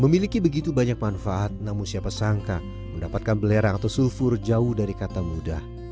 memiliki begitu banyak manfaat namun siapa sangka mendapatkan belerang atau sulfur jauh dari kata mudah